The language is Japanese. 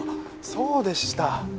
そうでした。